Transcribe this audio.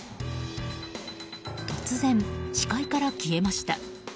突然、視界から消えました。